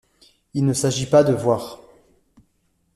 Il ne s’agit pas de voir.